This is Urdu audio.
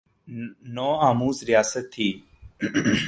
نو آموز ریاست تھی۔